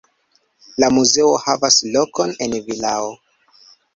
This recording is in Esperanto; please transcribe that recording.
La muzeo havas lokon en vilao.